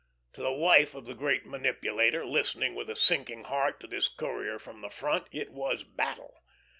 To the wife of the great manipulator, listening with a sinking heart to this courier from the front, it was battle.